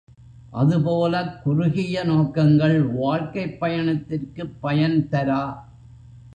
அதுபோலக் குறுகிய நோக்கங்கள் வாழ்க்கைப் பயணத்திற்குப் பயன்தரா.